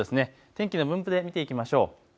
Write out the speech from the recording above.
天気の分布で見ていきましょう。